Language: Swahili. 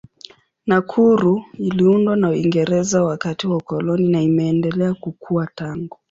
Nakuru iliundwa na Uingereza wakati wa ukoloni na imeendelea kukua tangu.